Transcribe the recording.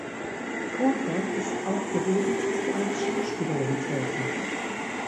Crawford ist auch gelegentlich als Schauspielerin tätig.